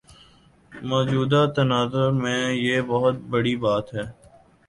موجودہ تناظر میں یہ بہت بڑی بات ہے۔